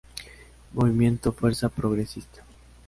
Movimiento Fuerza Progresista.